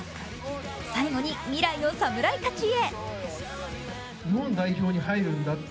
最後に未来の侍たちへ。